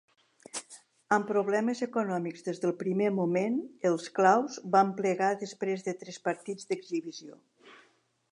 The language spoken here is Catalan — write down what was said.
Amb problemes econòmics des del primer moment, els Claws van plegar després de tres partits d'exhibició.